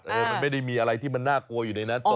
มันไม่ได้มีอะไรที่มันน่ากลัวอยู่ในนั้น